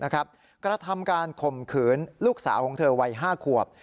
กระทำการข่มขืนลูกสาวของเธอวัย๕ขวบ